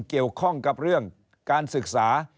เกี่ยวข้องกับเรื่องการศึกษา